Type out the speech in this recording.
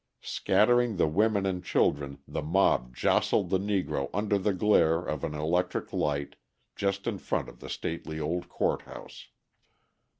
Scattering the women and children, the mob jostled the Negro under the glare of an electric light, just in front of the stately old court house.